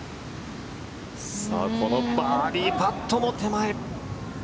このバーディーパットも手前。